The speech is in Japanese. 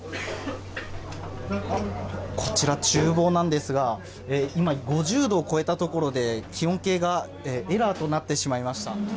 こちらちゅう房なんですが、今、５０度を超えたところで、気温計がエラーとなってしまいました。